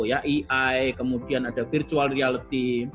ya ai kemudian ada virtual reality